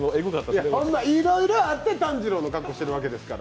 いろいろあって、炭治郎の格好してるわけですから。